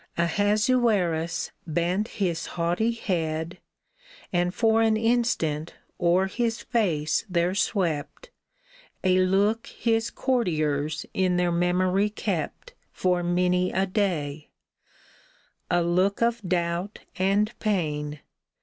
Ahasuerus bent his haughty head, And for an instant o'er his face there swept A look his courtiers in their memory kept For many a day — a look of doubt and pain.